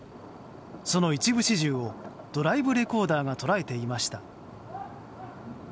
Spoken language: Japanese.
その一部始終をドライブレコーダーが捉えていました。